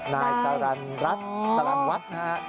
นายสาลันทร์วัฒน์